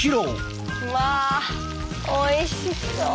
うわおいしそう！